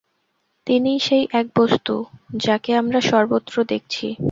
তিনিই সেই এক বস্তু, যাঁকে আমরা সর্বত্র দেখছি।